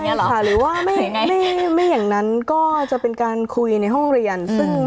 หรือว่าไม่อย่างนั้นก็จะเป็นการคุยในห้องเรียนซึ่ง